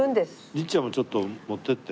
律ちゃんもちょっと持っていって。